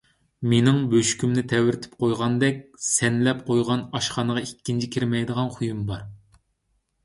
مېنىڭ بۆشۈكۈمنى تەۋرىتىپ قويغاندەك سەنلەپ قويغان ئاشخانىغا ئىككىنچى كىرمەيدىغان خۇيۇم بار.